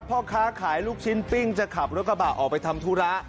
พ่อค้าขายลูกชิ้นปิ้งจะขับรถกระบะออกไปทำธุระ